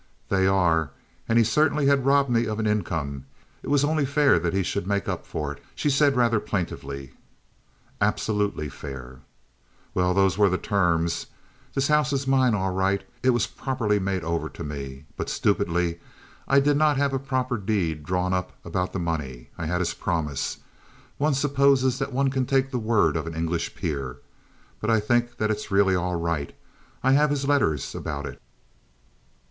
"They are. And he certainly had robbed me of an income. It was only fair that he should make up for it," she said rather plaintively. "Absolutely fair." "Well, those were the terms. The house is mine all right; it was properly made over to me. But, stupidly, I didn't have a proper deed drawn up about the money. I had his promise. One supposes that one can take the word of an English Peer. But I think that it's really all right. I have his letters about it."